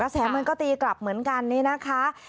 แสมันก็ตีกลับเหมือนกันนี่นะคะ